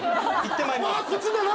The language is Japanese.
行ってまいります。